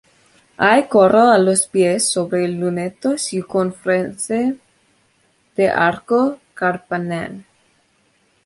Hay coro a los pies sobre lunetos y con frente de arco carpanel.